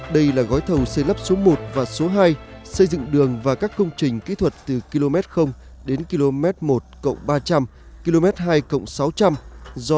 đây là gói thầu xây lắp số một và số hai xây dựng đường và các công trình kỹ thuật từ km đến km một ba trăm linh km hai sáu trăm linh